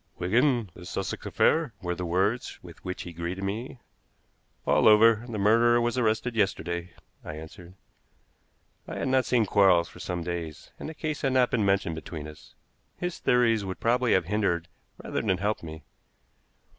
"Wigan, this Sussex affair?" were the words with which he greeted me. "All over. The murderer was arrested yesterday," I answered. I had not seen Quarles for some days, and the case had not been mentioned between us. His theories would probably have hindered rather than helped me.